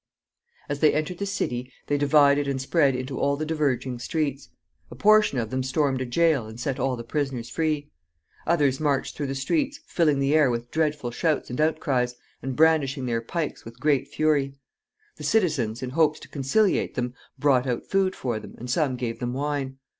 As they entered the city, they divided and spread into all the diverging streets. A portion of them stormed a jail, and set all the prisoners free. Others marched through the streets, filling the air with dreadful shouts and outcries, and brandishing their pikes with great fury. The citizens, in hopes to conciliate them, brought out food for them, and some gave them wine.